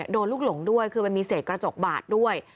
โดนลูกหลงด้วยคือมีเสียกระจกบาดด้วย